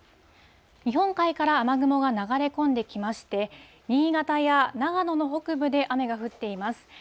日本海から雨雲が流れ込んできまして、新潟や長野の北部で雨が降っています。